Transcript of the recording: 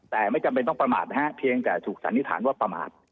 แต่ไม่จำเป็นต้องประมาทนะฮะเพียงแต่ถูกสันนิษฐานว่าประมาท